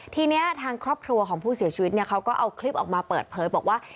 ทีนี้ทางครอบครัวของผู้เสียชีวิตเขาก็เอาคลิปออกมาเปิดเผยบอกว่า